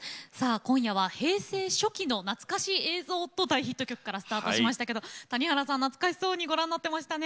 今夜は平成初期の懐かしい映像と大ヒット曲からスタートしましたけど谷原さん、懐かしそうでしたね。